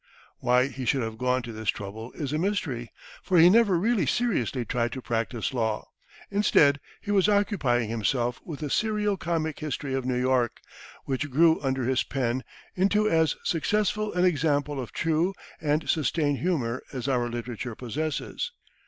Why he should have gone to this trouble is a mystery, for he never really seriously tried to practise law. Instead, he was occupying himself with a serio comic history of New York, which grew under his pen into as successful an example of true and sustained humor as our literature possesses.